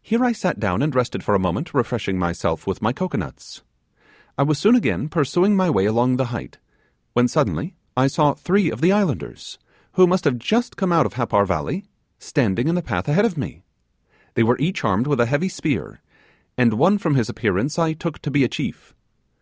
Here I sat down and rested for a moment, refreshing myself with my cocoanuts. I was soon again pursuing my way along the height, when suddenly I saw three of the islanders, who must have just come out of Happar valley, standing in the path ahead of me. They were each armed with a heavy spear, and one from his appearance I took to be a chief.